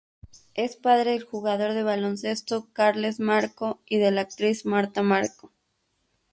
Es padre del jugador de baloncesto Carles Marco y de la actriz Marta Marco.